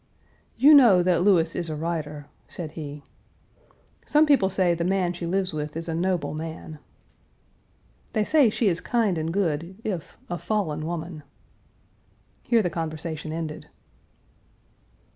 "You know that Lewes is a writer," said he. "Some people say the man she lives with is a noble man." "They say she is kind and good if a fallen woman." Here the conversation ended.